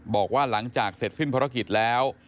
บอกว่าหลังจากเสร็จสิ้นภารกิจแล้ว